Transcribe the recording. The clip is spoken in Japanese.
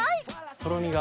とろみが。